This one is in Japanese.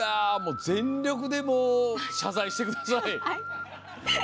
全力で謝罪してください！